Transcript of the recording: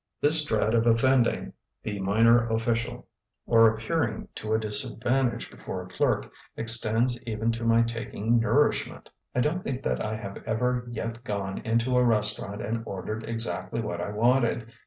This dread of offending the minor official or appearing to a disadvantage before a clerk extends even to my taking nourishment. I don't think that I have ever yet gone into a restaurant and ordered exactly what I wanted.